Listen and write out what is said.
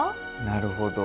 なるほど。